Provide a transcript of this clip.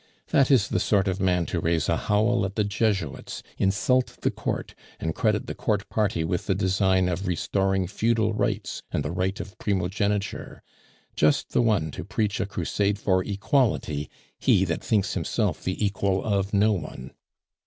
That is the sort of man to raise a howl at the Jesuits, insult the Court, and credit the Court party with the design of restoring feudal rights and the right of primogeniture just the one to preach a crusade for Equality, he that thinks himself the equal of no one.